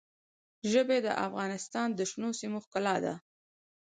ژبې د افغانستان د شنو سیمو ښکلا ده.